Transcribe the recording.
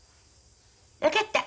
分かった。